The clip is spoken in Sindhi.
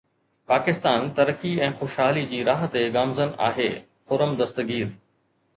پاڪستان ترقي ۽ خوشحالي جي راهه تي گامزن آهي: خرم دستگير